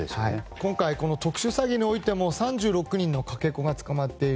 今回この特殊詐欺においても３６人のかけ子が捕まっている。